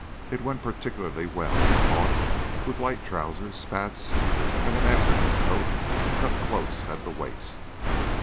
It went particularly well, he thought, with light trousers, spats, and an afternoon coat cut close at the waist.